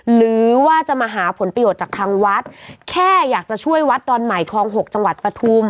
หรือว่าจะมาหาผลประโยชน์จากทางวัดแค่อยากจะช่วยวัดดอนใหม่คลอง๖จังหวัดปฐุม